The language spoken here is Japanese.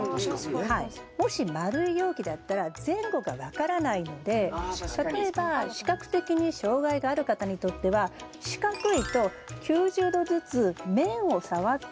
もし丸い容器だったら前後が分からないので例えば視覚的に障害がある方にとっては四角いと９０度ずつ面を触って動かすことができますよね。